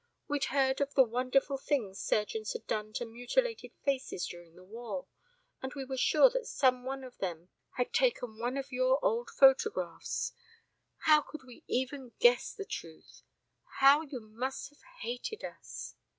We'd heard of the wonderful things surgeons had done to mutilated faces during the war, and we were sure that some one of them bad taken one of your old photographs how could we even guess the truth? How you must have hated us!"